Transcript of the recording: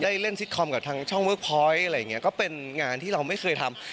เล่นซิตคอมกับทางช่องเวิร์คพอยต์อะไรอย่างเงี้ยก็เป็นงานที่เราไม่เคยทำ